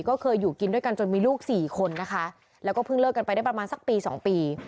ก็เคยอยู่กินด้วยกันจนมีลูกสี่คนนะคะแล้วก็เพิ่งเลิกกันไปได้ประมาณสักปีสองปี